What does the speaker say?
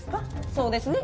そうですね。